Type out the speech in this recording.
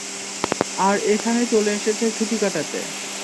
আর এখানে চলে এসেছে ছুটি কাটাতে।